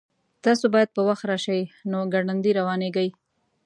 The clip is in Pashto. تاسو باید په وخت راشئ نو ګړندي روانیږئ